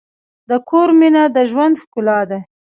د کور مینه د ژوند ښکلا ده.